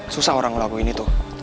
susah orang ngelakuin itu